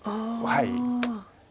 はい。